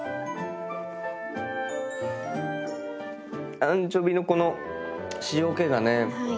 アンチョビのこの塩気がね。